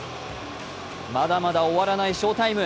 まだまだ終わらない翔タイム。